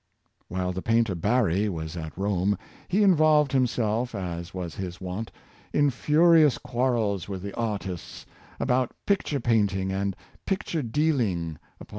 While the painter Barry was at Rome, he involved himself, as was his wont, in furious quarrels with the artists about picture painting and picture dealing, upon The Tyranny of Appetite.